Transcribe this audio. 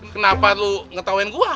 kenapa lu ngetahuin gua